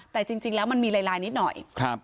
แต่จริงแล้วมันมีลายนิดหน่อย